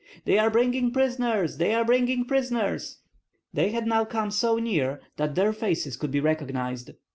"They are bringing prisoners! They are bringing prisoners!" They had now come so near that their faces could be recognized.